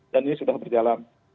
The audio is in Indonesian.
dan ini sudah berjalan